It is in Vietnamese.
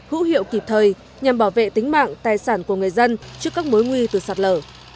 hữu hiệu kịp thời nhằm bảo vệ tính mạng tài sản của người dân trước các mối nguy từ sạt lở